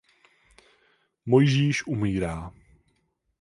Mojžíš umírá.